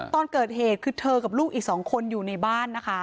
ตอนเกิดเหตุคือเธอกับลูกอีก๒คนอยู่ในบ้านนะคะ